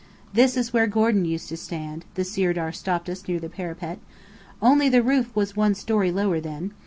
"This is where Gordon used to stand," the Sirdar stopped us near the parapet. "Only the roof was one story lower then.